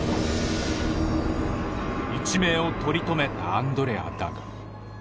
一命を取り留めたアンドレアだが。